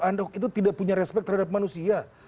anda itu tidak punya respect terhadap manusia